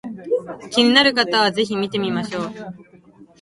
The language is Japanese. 気になる方は是非見てみましょう